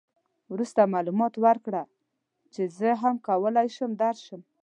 وروسته معلومات وکړه چې زه هم کولای شم درشم.